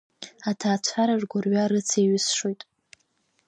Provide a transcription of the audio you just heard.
Аҭаацәара ргәырҩа рыцеиҩысшоит.